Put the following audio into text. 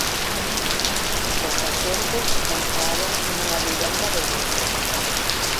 Os axentes entraron nunha vivenda de Muros.